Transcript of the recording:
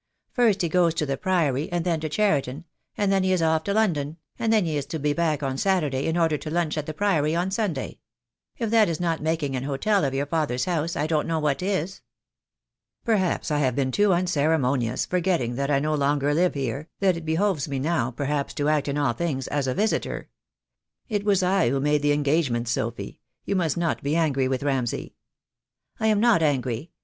First he goes to the Priory, and then to Cheriton, and then he is off to London, and then he is to be back on Saturday in order to lunch at the Priory on Sunday. If that is not making an hotel of your father's house I don't know what is." "Perhaps I have been too unceremonious, forgetting that I no longer live here, that it behoves me now, per haps, to act in all things as a visitor. It was I who made the engagements, Sophy. You must not be angry with Ramsay." "I am not angry.